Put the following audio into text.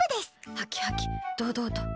ハキハキ、堂々と。